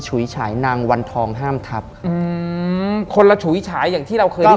ฉุยฉายนางวันทองห้ามทับอืมคนละฉุยฉายอย่างที่เราเคยได้ยิน